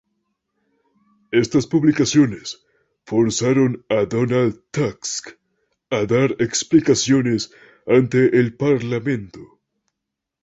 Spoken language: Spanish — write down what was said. Estas publicaciones forzaron a Donald Tusk a dar explicaciones ante el Parlamento.